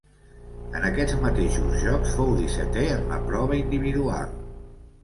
En aquests mateixos Jocs fou dissetè en la prova individual.